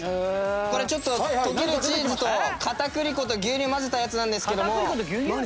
これちょっと溶けるチーズと片栗粉と牛乳混ぜたやつなんですけども。